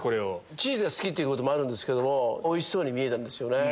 チーズが好きってこともあるけどおいしそうに見えたんですよね。